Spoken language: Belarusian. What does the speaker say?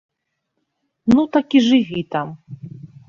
Ну так і жыві там!